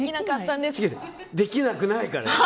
できなくないから。